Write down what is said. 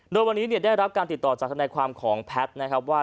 โดยวันนี้ได้รับการติดต่อจากธนายความของแพทย์นะครับว่า